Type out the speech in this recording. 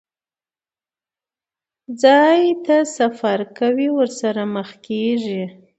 ځای ته سفر کوي، ورسره مخ کېږي.